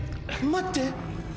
待って。